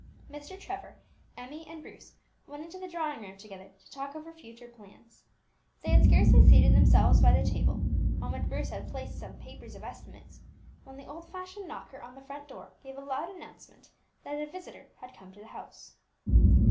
Mr. Trevor, Emmie, and Bruce went into the drawing room together, to talk over future plans. They had scarcely seated themselves by the table, on which Bruce had placed some papers of estimates, when the old fashioned knocker on the front door gave a loud announcement that a visitor had come to the house.